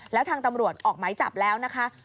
แล้วทางตำรวจออกหมายจับแล้วนะคะ